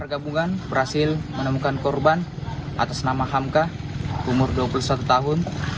gabungan berhasil menemukan korban atas nama hamka umur dua puluh satu tahun